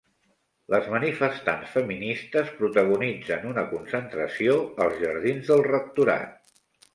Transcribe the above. Les manifestants feministes protagonitzen una concentració als jardins del rectorat